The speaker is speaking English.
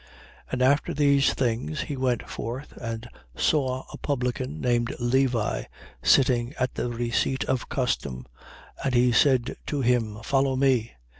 5:27. And after these things, he went forth and saw a publican named Levi, sitting at the receipt of custom: and he said to him: Follow me.